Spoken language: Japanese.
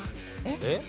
えっ？